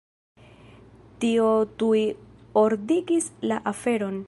Tio tuj ordigis la aferon.